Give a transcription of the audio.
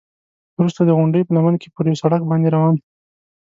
وروسته د غونډۍ په لمن کې پر یوه سړک باندې روان شوو.